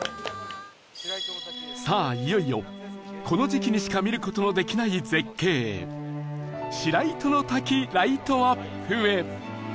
さあいよいよこの時期にしか見る事のできない絶景白糸の滝ライトアップへ